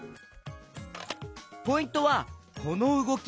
ポイントはこのうごき！